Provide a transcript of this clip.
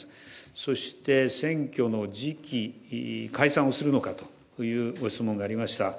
そして選挙の時期、解散をするのかというご質問がありました。